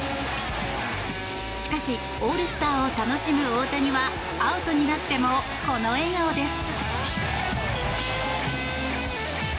しかし、オールスターを楽しむ大谷はアウトになってもこの笑顔です。